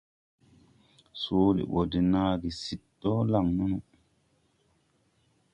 Soole ɓɔ de naage sid dɔɔ laŋ nono.